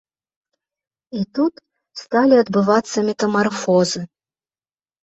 І тут сталі адбывацца метамарфозы.